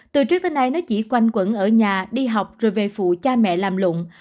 từ trước tới nay nó chỉ quanh quẩn ở nhà đi học rồi về phụ cha mẹ làm lụng